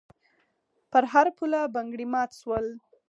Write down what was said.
په هر پوله بنګړي مات شول.